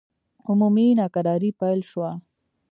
عمومي ناکراري پیل شوه.